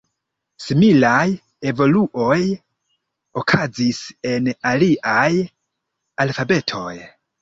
Similaj evoluoj okazis en aliaj alfabetoj.